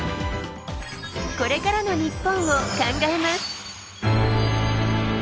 これからの日本を考えます。